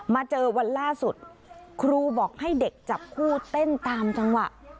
มาเจอวันล่าสุดครูบอกให้เด็กจับคู่เต้นตามจังหวะ